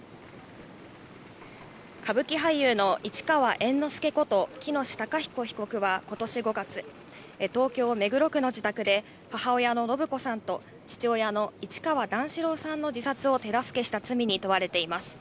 歌舞伎俳優の市川猿之助こと喜熨斗孝彦被告はことし５月、東京・目黒区の自宅で、母親の延子さんと父親の市川段四郎さんの自殺を手助けした罪に問われています。